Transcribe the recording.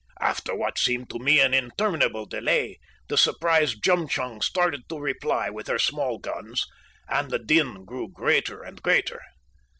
After what seemed to me an interminable delay, the surprised Jemtchug started to reply with her small guns, and the din grew greater and greater.